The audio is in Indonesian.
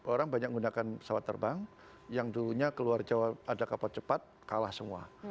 orang banyak menggunakan pesawat terbang yang dulunya keluar jawa ada kapal cepat kalah semua